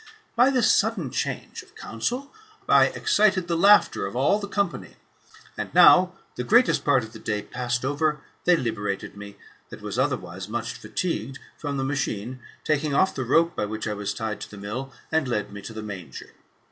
By this sudden change of counsel I excited the laughter of all the company. And now, the greatest part of the day being GOLDEN ASS, OF APULEIUS. — BOOK IX. 149 passed over, they liberated me, that was otherwise much fatigued, from the machine, taking off the rope by which I was tied to the mill, and led me to the manger.